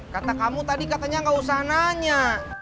kata kamu tadi katanya gak usah nanya